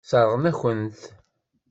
Sseṛɣen-akent-t.